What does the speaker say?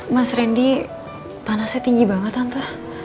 mas rendy panasnya tinggi banget tante